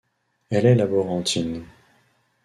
Elle est laborantine.